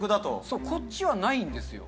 そうこっちはないんです。